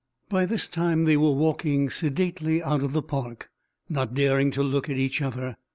By this time they were walking sedately out of the park, not daring to look at each other.